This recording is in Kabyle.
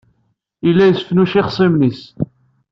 Yella yesfunnuc ixṣimen-nnes.